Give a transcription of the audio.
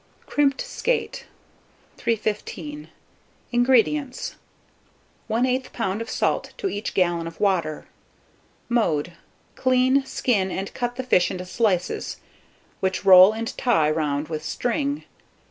CRIMPED SKATE. 315. INGREDIENTS. 1/8 lb. of salt to each gallon of water. Mode. Clean, skin, and cut the fish into slices, which roll and tie round with string.